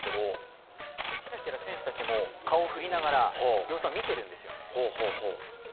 ちらちら選手たちも顔を振りながら様子を見てるんですよ。